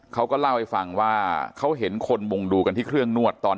เขาก็เล่าให้ฟังว่าเขาเห็นคนวงดูกันที่เครื่องนวดตอน